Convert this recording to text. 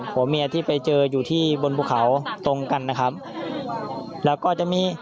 ผัวเมียที่ไปเจออยู่ที่บนบุคเขาตรงกันนะครับ